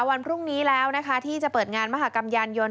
วันพรุ่งนี้แล้วนะคะที่จะเปิดงานมหากรรมยานยนต์